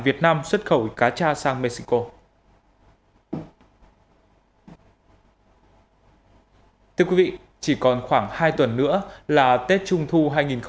việt nam xuất khẩu cá cha sang mexico chỉ còn khoảng hai tuần nữa là tết trung thu